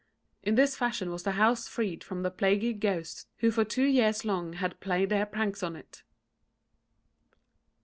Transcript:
In this fashion was the house freed from the plaguy ghosts who for two years long had played their pranks in it.